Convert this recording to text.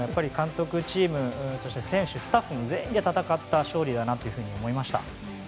監督、チームそして選手、スタッフ全員で戦った勝利だなと思いました。